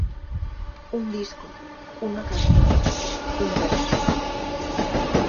Un disco, unha canción, un verso.